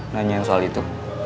nanyain soal itu